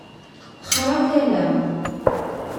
Texṛa tala.